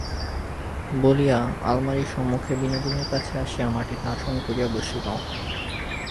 বলিয়া আলমারির সম্মুখে বিনোদিনীর কাছে আসিয়া মাটিতে আসন করিয়া বসিল।